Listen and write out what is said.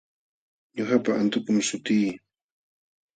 Ñuqapa antukum sutii.